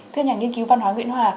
thưa nhà nghiên cứu văn hóa nguyễn hòa